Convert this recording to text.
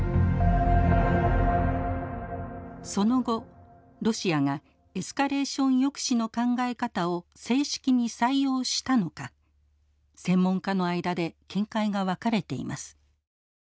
その後ロシアがエスカレーション抑止の考え方を正式に採用したのか専門家の間で見解が分かれています。